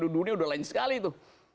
dunia udah lain sekali tuh